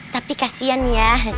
tapi kasihan ya